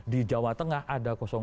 di jawa tengah ada dua